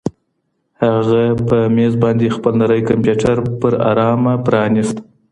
هغه په مېز باندې خپل نری کمپیوټر په ارامه پرانیست.